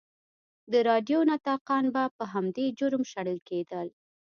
د راډیو نطاقان به په همدې جرم شړل کېدل.